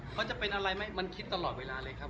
เขาจะเป็นอะไรไหมมันคิดตลอดเวลาเลยครับ